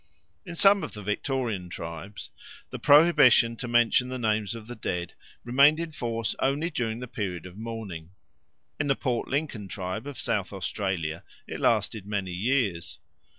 In some of the Victorian tribes the prohibition to mention the names of the dead remained in force only during the period of mourning; in the Port Lincoln tribe of South Australia it lasted many years.